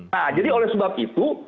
nah jadi oleh sebab itu